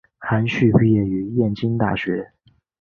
韩叙毕业于燕京大学。